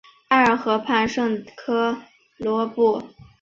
埃尔河畔圣科隆布。